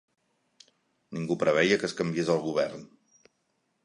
Ningú preveia que es canviés el govern.